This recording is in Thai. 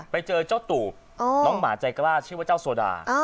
ไปเจอเจ้าตูบน้องหมาใจกล้าชื่อว่าเจ้าโซดา